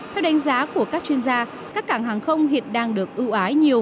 theo đánh giá của các chuyên gia các cảng hàng không hiện đang được ưu ái nhiều